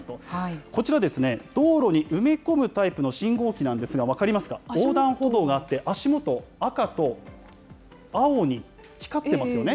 こちら、道路に埋め込むタイプの信号機なんですが、分かりますか、横断歩道があって、足元、赤と青に光ってますよね。